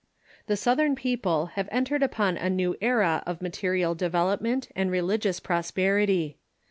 The Southern people have entered upon a new era of material development and religious prosperity.